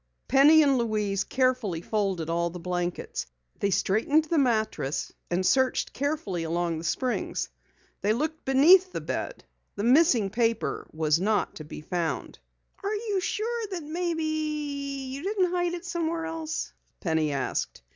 Penny and Louise carefully folded all the blankets. They straightened the mattress and searched carefully along the springs. They looked beneath the bed. The missing paper was not to be found. "Are you sure you didn't hide it somewhere else?" Penny asked.